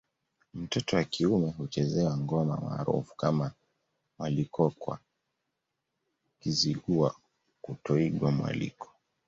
Mtoto wa kiume huchezewa ngoma maarufu kama mwalikokwa Kizigua kutoigwa mwaliko